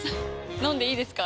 飲んでいいですか？